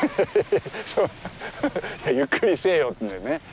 ハハハハゆっくりせえよってね。